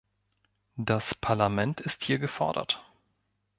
Das Parlament ist hier gefordert.